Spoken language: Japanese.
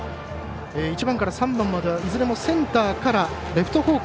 １番から３番まではいずれもセンターからレフト方向